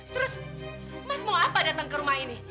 terus mas mau apa datang ke rumah ini